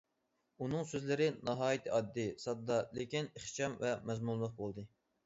ئۇنىڭ سۆزلىرى ناھايىتى ئاددىي- ساددا، لېكىن ئىخچام ۋە مەزمۇنلۇق بولدى.